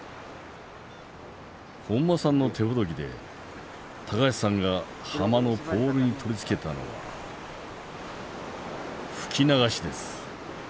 本間さんの手ほどきで橋さんが浜のポールに取り付けたのは「吹き流し」です。